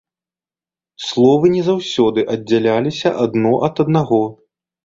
Словы не заўсёды аддзяляліся адно ад аднаго.